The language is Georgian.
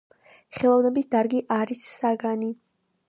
ხელოვნების დარგი არის საგანი